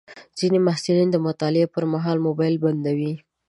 ځینې محصلین د مطالعې پر مهال موبایل بندوي.